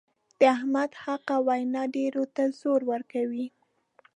د احمد حقه وینا ډېرو ته زور ورکوي.